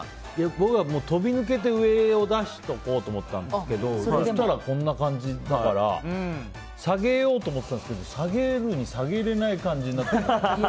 僕はとび抜けて上を出しておこうと思ったんですけどそしたら、こんな感じだから下げようと思ってたんですけど下げるに下げれない感じになって。